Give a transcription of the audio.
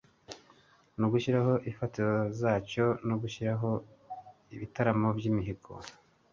no gushyiraho imfatiro zacyo no kuhategurira ibitaramo by'imihigo